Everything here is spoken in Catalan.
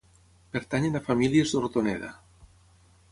Pertanyen a famílies d'Hortoneda.